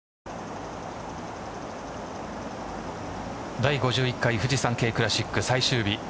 第５１回フジサンケイクラシック最終日。